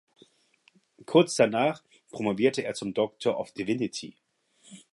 Kurz danach promovierte er zum Doctor of Divinity.